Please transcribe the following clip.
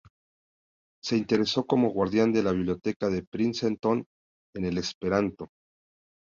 Se interesó como guardián de la Biblioteca de Princeton, en el esperanto.